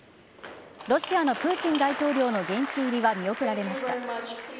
ロシアのプーチン大統領の現地入りは見送られました。